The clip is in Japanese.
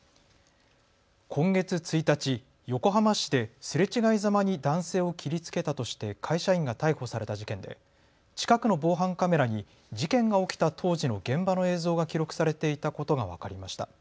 今月１日、横浜市ですれ違いざまに男性を切りつけたとして会社員が逮捕された事件で近くの防犯カメラに事件が起きた当時の現場の映像が記録されていたことが分かりました。